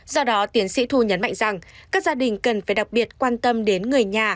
do đó tiến sĩ thu nhấn mạnh rằng các gia đình cần phải đặc biệt quan tâm đến người nhà